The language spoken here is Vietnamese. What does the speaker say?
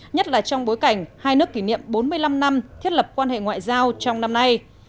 nhất là trong bối cảnh hai nước kỷ niệm bốn mươi năm năm thiết lập quan hệ ngoại giao trong năm nay